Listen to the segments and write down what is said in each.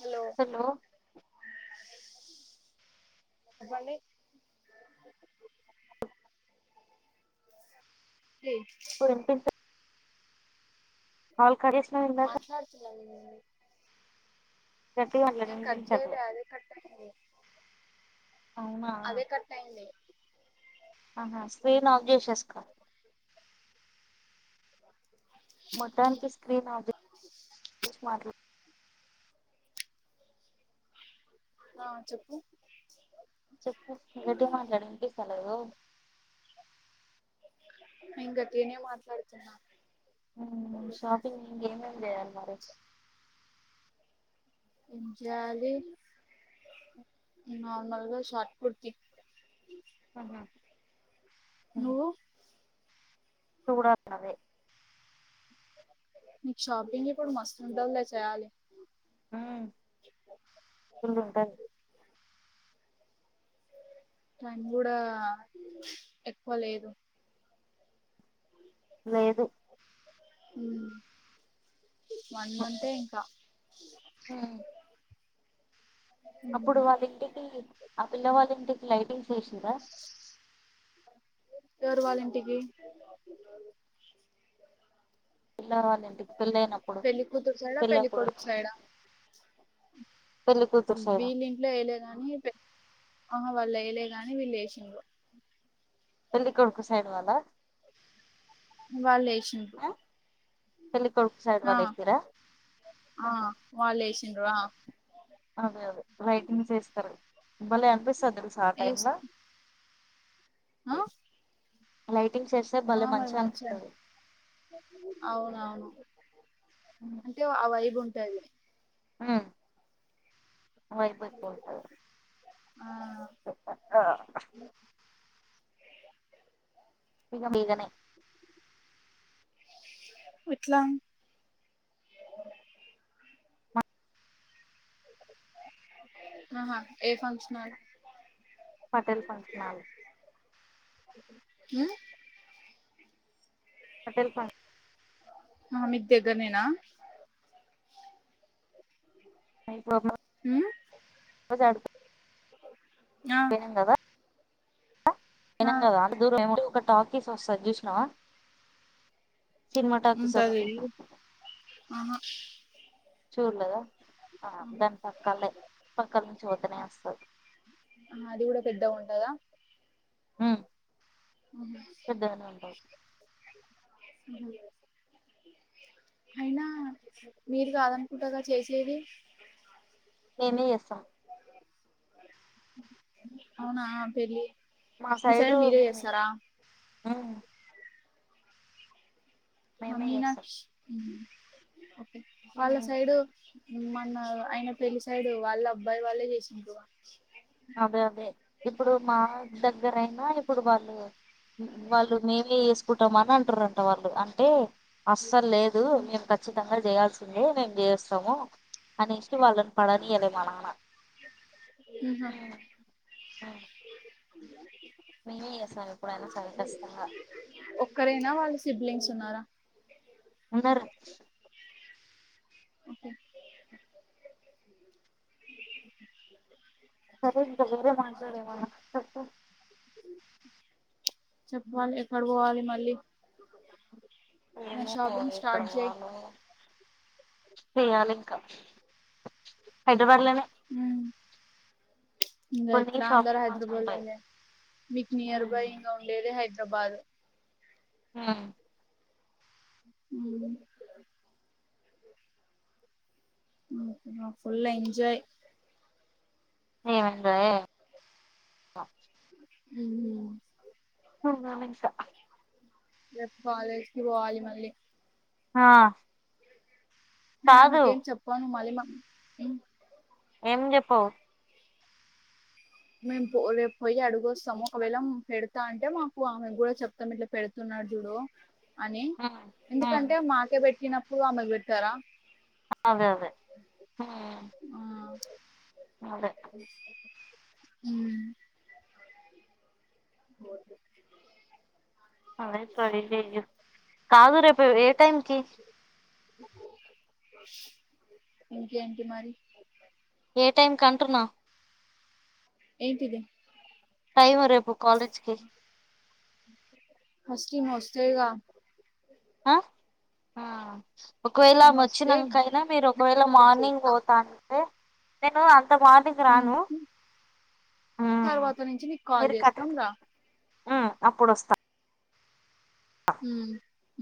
Hello Bunny [unintelligible] వినిపించ call cut చేసినావ్ ఇందాక మాట్లాడుతున్నా నేను గట్టిగా మాట్లాడు నేన్ కట్ వినిపించట్లే జైలే అదే కట్ అయింది అవునా అదే కట్టయింది ఆహా స్క్రీన్ ఆఫ్ జేసెస్కో మొత్తానికి స్క్రీన్ ఆఫ్ జే ష్ మాట్లా ఆ చెప్పు చెప్పు గట్టిగ మాట్లాడే ఇన్పిస్తలేదు. ఇంగ తినే మాట్లాడుతున్నా మ్ షాపింగ్ ఇంగెమేం జేయాలి మరి ఎం జేయాలి నార్మల్గా షార్ట్ కుర్తి అహా నువ్వు నెను గుడా అట్లనే నీకు షాపింగ్ ఇప్పుడు మస్తుంటదిలే చేయ్యాలి మ్మ్ ఇల్లు ఉంటది టైం గూడా ఎక్కువ లేదు. లేదు ఉమ్మ్ వన్ మంతే ఇంకా మ్మ్ అప్పుడు వాళ్ళింటికి ఆ పిల్లవాళ్ళింటికి లైటింగ్స్ యేశిర్రా తరూ వాళ్ళింటికి పిల్ల వాళ్ళ ఇంటికి పెళ్ళయినప్పుడు పేళ్లి కుతురు సైడా పెళ్లి పెళ్ళప్పుడు కొడుకు సైడా పెళ్లి కూతురు సైడ్ వీళ్ళింట్లో ఎయలే గాని పె అహా వాళ్ళేయలే గాని వీళ్ళేశిన్రు పెళ్లి కొడుకు సైడ్ వాళ్ళ వెళ్ళేశిన్రు పెళ్ళి కొడుకు సైడ్ వాళ్లేశిర్రా ఆ అహ వాళ్ళు వేసిండ్రు ఆ అవే అవే లైటింగ్స్ యేస్తరు బలే అనిపిస్తది తెలుసా. ఆ ఏస్ టైమ్లా ఆ అలై ఆ మరి మంచిగ అవునవును అంటే ఆ వైబ్ ఉంటది. ఉహ్ వైబ్ ఎక్కువుంటది ఆ బిగనే విట్లామ్ హా హోటల్ ఫంక్షనాల్ అ హొటల్ ఫన్ ఆ మీక్ దెగ్గరనేనా [unintelligible] హ్మ్మ్ సడు పోయినం గదా ఆ పోయినం గదా అంత దూరం ఏమో ఒక టాకీస్ వస్తది జూసినవా సినిమా టాకీస్ ఉంటది ఒకటి ఆహా చూల్లేదా అ ఆహా దాని పక్కల్దే పక్కల్ నుంచి పొతనే వస్తది ఆహా అది కూడా పెద్దగా ఉంటదా ఉమ్ ఉమ్ పెద్దగనే ఉంటది. ఉహు ఐనా మీరు కాదనుకుంటగా చేసేది మేమె చేస్తం హు హు అవునా పెళ్లి మా మీ సైడ్ సైడు మీరే మేమే చేస్తరా? ఉమ్ మా మేమే చేస్తాం మీనాక్షి వాళ్ల ఉమ్ సైడు మ్ ఐన ఆయన పెళ్లి సైడు వాళ్ళ అబ్బాయి వాళ్ళే చేసిన్రు. అదే అదే ఇప్పుడు మా దగ్గరయినా ఇప్పుడు వాళ్ళు వాళ్ళు మేమే చేసుకు కుటం అని అంటారుట వాళ్ళు అంటే అస్సలు లేదు. మేము ఖచ్చితంగా చేయాల్సి వుంది మేము చేస్తాము అనేస్ వాళన్ పడనియ్యాలె మా నాన్న ఉమ్, ఉమ్, బ్లాంక్ మేమే చేస్తాం ఎప్పుడైనా సరే ఖచ్చితంగా ఒక్కరేనా వాళ్ళ సిబ్లింగ్స్ ఉన్నార? అందరచ్ ఒకే సరే ఇక వేరె మాట్లాడేమన్న చెప్పు చెప్పాలి ఎక్కడ పోవాలి మళ్ళీ నా ఏమో షాపింగ్ ఇక్కడ స్టార్ట్ చేయి పోవాలో ఏమో చేయాలింక హైద్రబాద్లనే ఉమ్. ఇంకా ఎట్లా అందరు షాపింగ్ మాల్స్ హైదరాబాద్ ఉంటాయి లోనే మీకు నియర్ ఉమ్, బై ఇంగ ఉండేది హైద్ రాబాదె ఆ ఉమ్ ఉహు ఆ ఫుల్ ఎంజాయ్ ఏం ఎంజాయో ఏమో ఇంక ఉమ్మ్ అవునా మిన్ష రేపు కాలేజ్కి పోవాలి మళ్ళీ ఆ నేను కాదు ఆమెకేం చెప్పను మల్లి మమ్ కి ఏం చెప్పవు మేము పోలె పోయి అడుగొస్తము ఒకవేళ పెడతా అంటే మాకు ఆమె కూడా చెప్తాం ఇట్ల పెడుతున్నా ఆద్జుడు అని ఉమ్ ఉమ్ ఎందుకంటే మాకే పెట్టినప్పుడు ఆమెకు పెట్టరా అదే అదే ఉమ్ అదే ఉమ్ గోట్లు అదే కాదు ఇదెయ్యు కాదు రేపు ఏ టైంకి ఇంకేంటి మరి ఏ టైం కంటున్నా? ఏంటిది టైము రేపు కాలేజ్కి ఈమోస్తదిగా అ ఆ ఒకవేళ ఈమె ఆమె వస్తే వచ్చినాంకైనా మీరు ఒకవేళ మార్నింగ్ చూస్తా పోతాంటే నేను అంత మార్నింగ్ రాను ఆ తర్వాత నుంచి నీకు కాల్ మీరు కట్ చేస్తాం రా ఆ అప్పుడు అస్త ఉమ్మ్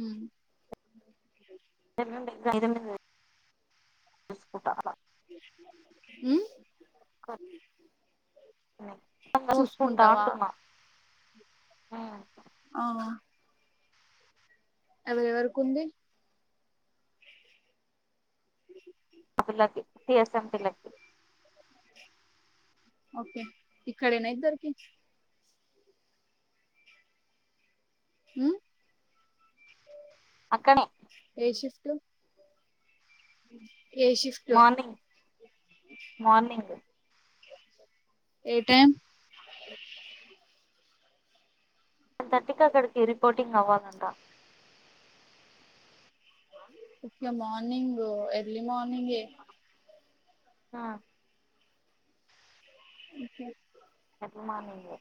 ఉమ్ [unintelligible] ఏవండీ జరగండి మీరు చూసుకుంటా అలా ఉమ్ గ్ చూస్కుంటా చూసుకుంటావా అంటున్న ఉమ్ ఆ ఎవరెవరికుంది ఆపిల్లకి టి ఎస్ ఎం పిల్లకి ఓకే ఇక్కడేనా ఇద్దరికి ఉమ్ అక్కనే ఏ షిఫ్ట్ ఉమ్ మార్నింగ్ మార్నింగ్ ఏ టైం థర్టీ కి అక్కడికి రిపోర్టింగ్ అవ్వాలంట ఒకే మార్నింగు ఎర్లీ మార్నింగే అ ఎర్లీ మార్నింగే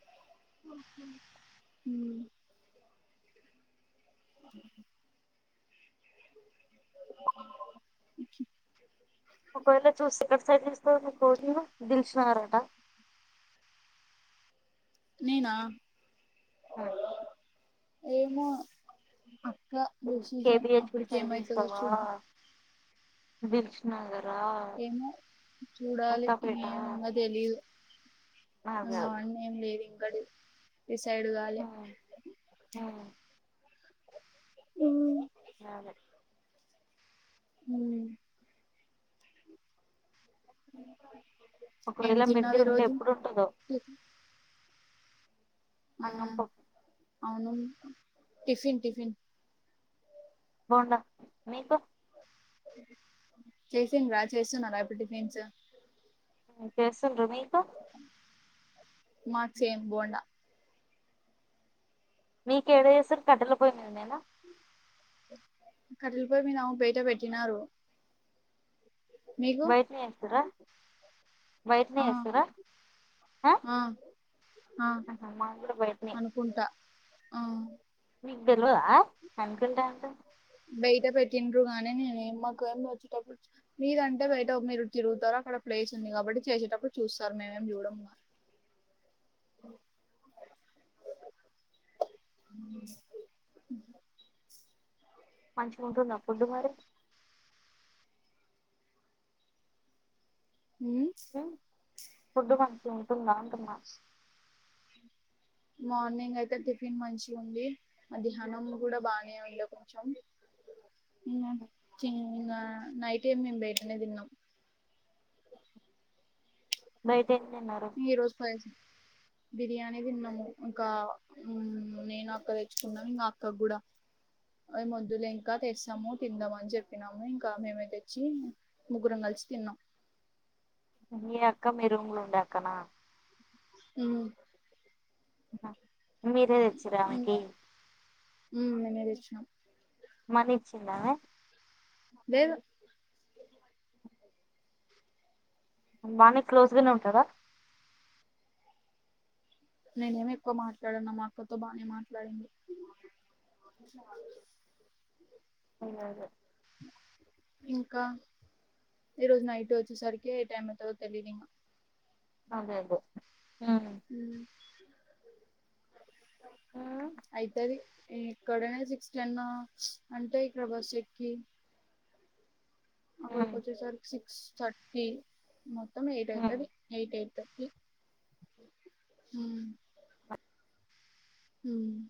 ఒకవేళ చూసి ఇక్కడ సైడ్ కోటినో దిల్సుక్ నగరట నేనా ఆ ఏమో కా డెసిషన్ కేబిహెచ్పి అప్పటికేమైతదో చూద్దాం. దిలుషుక్ నగర్ ఏమో చూడాలి ఎం కొత్తపేట ఇంకా తెలీదు నాది కాదు నాన్నేం లేదు ఇంక డిస్ డిసైడ్ కాలే అదే ఉమ్ ఏం ఒకవేళ మిడ్డీ తిన్నావ్ ఉంటే ఈరోజు ఎప్పుడు ఉంటదో టిప్ అన్నం పప్పు అవును టిఫిన్ టిఫిన్ బోండ నీకు చేసిండ్ర చేస్తున్నరా ఇప్పుడు టిఫిన్సు మ్ చేసిండ్రు మీకు మాక్ సేమ్ బోండా మీకేడ చేస్తరు కట్టలపోయి మీదనేనా కట్టలిపోయి మీద బయట పెట్టినారు. మీకు బయటనే చేస్తురా బయటనే ఆ ఏస్తురా ఆ ఆ ఆహా మాది కూడా బయటనే అనుకుంటా ఆ మీకు తేల్వదా అనుకుంటా అంటవ్ బయట పెట్టిండ్రు గానీ నేనేమి మాకేమి వచ్చేటప్పుడు మీరంటే బయట మీరు తిరుగుతారు అక్కడ ప్లేస్ ఉంది కాబట్టి చేసేటప్పుడు చూస్తారు మేమేం చూడంగా మంచిగ ఉంటుందా ఫుడ్డు మరి ఉమ్ ఫుడ్ మంచిగుంటుందా అంటున్నా మార్నింగ్ అయితే టిఫిన్ మంచి ఉంది అదిహనం కూడా బానే ఉండే కొంచెం ఇంగ నైట్ ఏ మేము బయటనే తిన్నాం. బైట్ ఈ రోజు [unintelligible] బిర్యానీ తిన్నము ఇంకా ఉమ్ నేను అక్క తెచ్చుకున్నాం ఇంకా అక్కగూడా ఏమోద్దులే ఇంకా తెస్తము తిందము అని చెప్పినము. ఇంకా మేమే తెచ్చి ముగ్గురం కల్ సి తిన్నాం మీ అక్క మీ రూంలో ఉండే అక్కనా ఉమ్ మీరే తెచ్చిరా ఆమెకి ఉ మేమే తెచ్చినం మరిచ్చిందామె లేద్ బానే క్లోజ్గానే ఉంటరా నేనేమి ఎక్కువ మాట్లాడన మా అక్కతో బానే మాట్లాడింది అదె అదే ఇంకా ఈ రోజు నైట్ వచ్చే సరికి ఏ టైమ్ అయితదో తెలిదింగా అదే అదే ఉమ్. హ్మ్ ఉమ్, అయితది ఏక్కడనే సిక్స్ టెన్ అంటే ఇక్కడ బస్ ఎక్కి అక్కడికి ఉమ్, వచ్చేసరికి సిక్స్ థర్టీ మొత్తం ఎయిట్ ఉమ్. అయితది ఎయిట్ ఎయిట్ థర్టీ హుమ్ హుమ్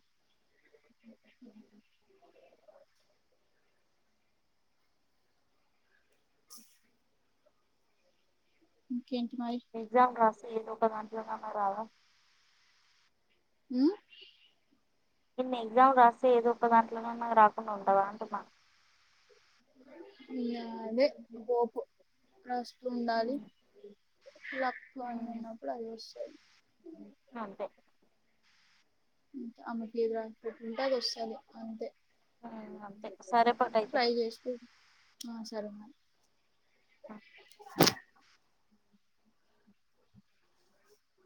ఇంకేంటి మరి ఎగ్జామ్ రాసి ఏదో ఒక దాంట్లోనన్న రాదా ఉమ్ ఇన్ని ఎగ్జామ్ రాస్తే ఏదో ఒక దాంట్లనన్న రాకుండా ఉంటడా అంటున్నా ఇ అదే హోపు రాస్తు ఉండాలి ఉమ్, లక్కులో అని ఉమ్, ఉన్నప్పుడు అదే వస్తు అంతే అంతే అందుట్లో ఏది రాసి పెట్టీ ఉంటే అది వస్తది అంతే ఉమ్ అంతే సరే పటు అయితే ఫ్రై చేసుకో ఆ సరే మరి